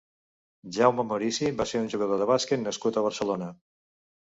Jaume Murici va ser un jugador de bàsquet nascut a Barcelona.